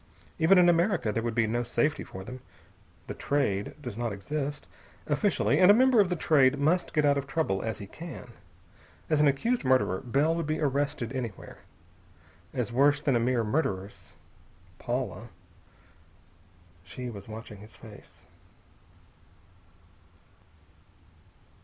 Even in America there would be no safety for them. The Trade does not exist, officially, and a member of the Trade must get out of trouble as he can. As an accused murderer, Bell would be arrested anywhere. As worse than a mere murderess, Paula.... She was watching his face.